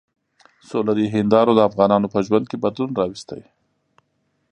سولري هندارو د افغانانو په ژوند کې بدلون راوستی.